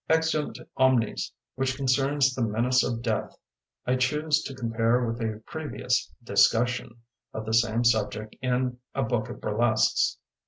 "Exeunt Omnes", which concerns the menace of death, I choose to compare with a pre vious "Discussion" of the same sub ject in "A Book of Burlesques".